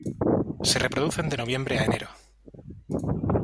Se reproducen de noviembre a enero.